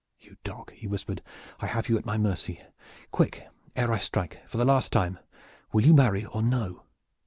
"You dog!" he whispered. "I have you at my mercy! Quick ere I strike, and for the last time! Will you marry or no?"